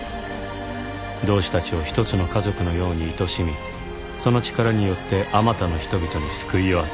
「同志たちを一つの家族のように愛しみその力によって数多の人々に救いを与える」